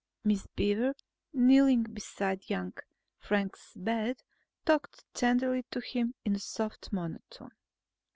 Miss Beaver, kneeling beside young Frank's bed, talked tenderly to him in a soft monotone.